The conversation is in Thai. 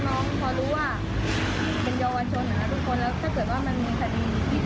ต้องขอบคุณท่านสารวัตรมากที่เข้ามาเชื่อเหนือตรงนี้